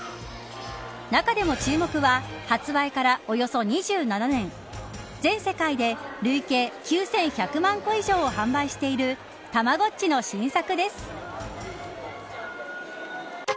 中でも注目は発売からおよそ２７年全世界で累計９１００万個以上を販売しているたまごっちの新作です。